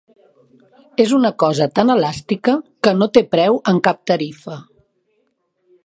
És una cosa tan elàstica, que no té preu en cap tarifa